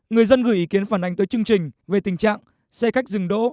người dân gửi ý kiến phản ánh tới chương trình về tình trạng xe khách dừng đỗ